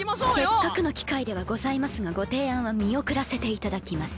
せっかくの機会ではございますがご提案は見送らせていただきます。